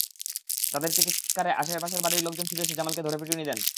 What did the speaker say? তাঁদের চিৎকারে আশপাশের বাড়ির লোকজন ছুটে এসে জামালকে ধরে পিটুনি দেন।